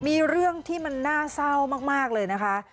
มีเรื่องที่มันน่าเศร้ามากเลยนะคะ